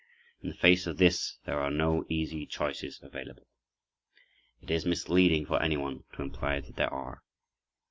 In the face of this there are no easy choices available. It is misleading for anyone to imply that there are.